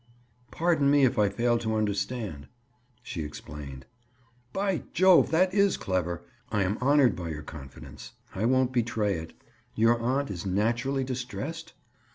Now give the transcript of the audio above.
"Pardon me if I fail to understand." She explained. "By jove! that is clever. I am honored by your confidence. I won't betray it. Your aunt is naturally distressed?"